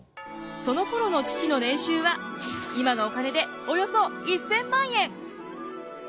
そのころの父の年収は今のお金でおよそ１，０００万円！